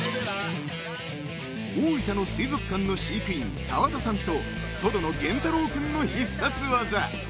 ［大分の水族館の飼育員澤田さんとトドの玄太郎君の必殺技］